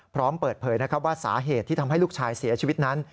พร้อมเปิดเผยนะครับว่าสาเหตุที่ทำให้ลูกชายเสียชีวิตนั้น